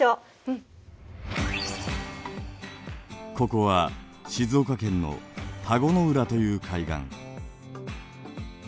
ここは静岡県の田子の浦という海岸。